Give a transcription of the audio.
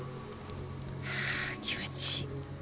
はあ気持ちいい。